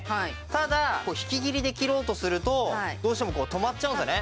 ただ引き切りで切ろうとするとどうしても止まっちゃうんですよね。